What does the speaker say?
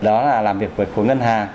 đó là làm việc về khối ngân hà